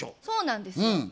そうなんですよ。